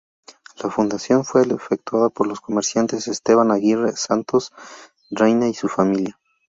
La fundación fue efectuada por los comerciantes Esteban Aguirre, Santos Reina y su familia.